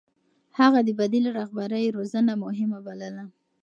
هغه د بديل رهبرۍ روزنه مهمه بلله.